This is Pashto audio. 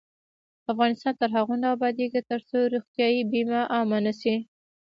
افغانستان تر هغو نه ابادیږي، ترڅو روغتیايي بیمه عامه نشي.